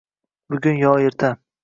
bugun yo erta